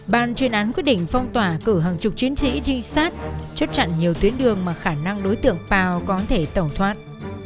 bàn truyền án quyết định phong tỏa cử hàng chục chiến trị trinh sát chốt chặn nhiều tuyến đường mà khả năng đối tượng pau có thể tẩu thoát